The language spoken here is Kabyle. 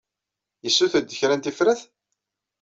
Yessumer-d kra n tifrat?